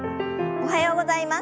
おはようございます。